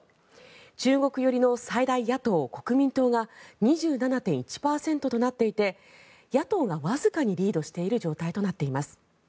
中国寄りの最大野党・国民党が２７．１％となっていて野党がわずかにリードしている状態となっています。